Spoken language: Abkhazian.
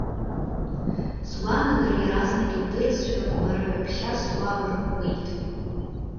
Сгәаанагара иаразнак илдырызшәа, лара ҩаԥхьа сгәы аалырӷәӷәеит…